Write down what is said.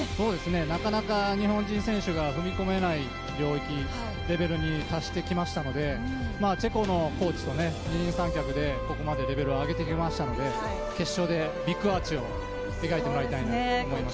なかなか日本人選手が踏み込めない領域、レベルに達してきましたのでチェコのコーチと二人三脚で、ここまでレベルを上げてきましたので決勝でビッグアーチを描いてもらいたいです。